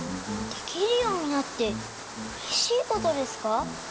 できるようになってうれしいことですか？